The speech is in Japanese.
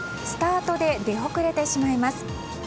スタートで出遅れてしまいます。